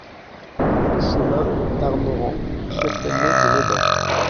Chemin Darnauran à Castelnau-de-Médoc